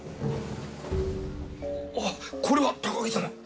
あっこれは高木様。